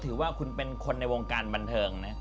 ถือว่าคุณเป็นคนในวงการบันเทิงนะ